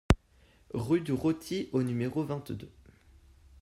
Rue du Roty au numéro vingt-deux